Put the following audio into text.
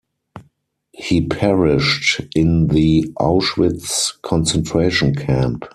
He perished in the Auschwitz concentration camp.